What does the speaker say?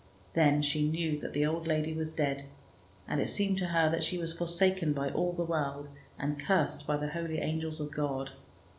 Then she knew that the old lady was dead, and it seemed to her that she was forsaken by all the world, and cursed by the holy angels of God.